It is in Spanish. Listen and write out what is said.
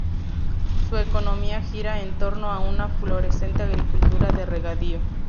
Su economía gira en torno a una floreciente agricultura de regadío.